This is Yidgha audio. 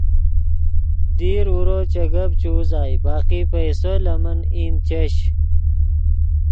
دیر اورو چے گپ چے اوزائے باقی پیسو لے من ایند چش